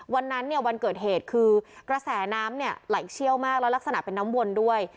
วันนั้นเนี่ยวันเกิดเหตุคือกระแสน้ำเนี่ยไหลเชี่ยวมากแล้วลักษณะเป็นน้ำวนด้วย